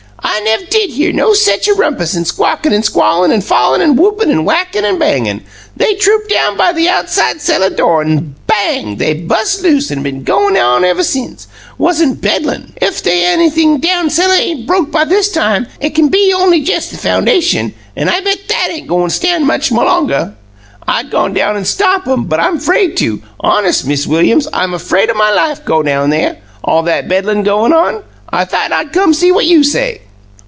I nev' did hear no sech a rumpus an' squawkin' an' squawlin' an' fallin' an' whoopin' an' whackin' an' bangin'! They troop down by the outside celluh do', n'en bang! they bus' loose, an' been goin' on ev' since, wuss'n Bedlun! Ef they anything down celluh ain' broke by this time, it cain' be only jes' the foundashum, an' I bet THAT ain' goin' stan' much longer! I'd gone down an' stop 'em, but I'm 'fraid to. Hones', Miz Williams, I'm 'fraid o' my life go down there, all that Bedlun goin' on. I thought I come see what you say."